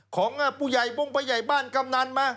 ของผู้ใหญ่บงผู้ใหญ่บ้านกำนันมา